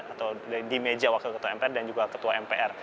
atau di meja wakil ketua mpr dan juga ketua mpr